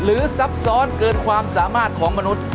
ซับซ้อนเกินความสามารถของมนุษย์